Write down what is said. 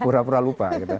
pura pura lupa gitu